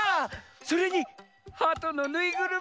それにハトのぬいぐるみも！